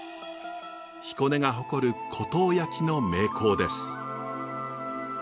彦根が誇る湖東焼の名工です。